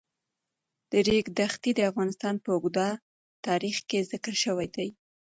د ریګ دښتې د افغانستان په اوږده تاریخ کې ذکر شوی دی.